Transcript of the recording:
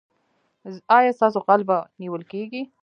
ایا ستاسو غل به نیول کیږي؟